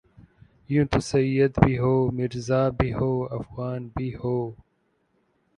یوں تو سید بھی ہو مرزابھی ہوافغان بھی ہو